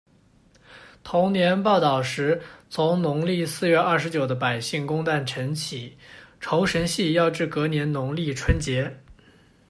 同年报导时，从农历四月廿九的百姓公诞辰起，酬神戏要至隔年农历春节。